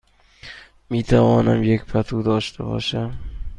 می توانم یک پتو داشته باشم؟